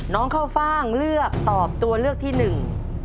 ข้าวฟ่างเลือกตอบตัวเลือกที่หนึ่ง